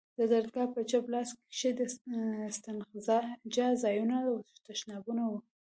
د درگاه په چپ لاس کښې د استنجا ځايونه او تشنابونه وو.